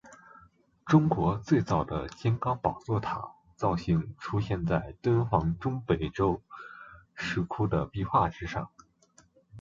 中国最早的金刚宝座塔造型出现在敦煌中北周石窟的壁画之上。